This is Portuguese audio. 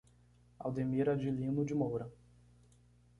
Aldemir Adilino de Moura